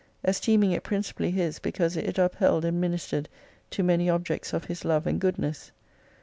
Esteeming it principally his because it upheld and ministered to many objects of his love and goodness.